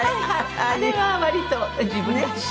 あれは割と自分らしく。